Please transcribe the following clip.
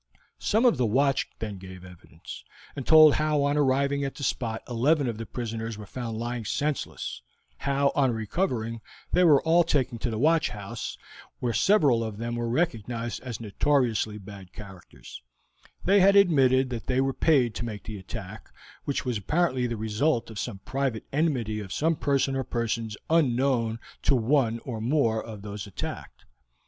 Some of the watch then gave evidence, and told how on arriving at the spot eleven of the prisoners were found lying senseless; how, on recovering, they were all taken to the watch house, where several of them were recognized as notoriously bad characters; they had admitted that they were paid to make the attack, which was apparently the result of the private enmity of some person or persons unknown to one or more of those attacked.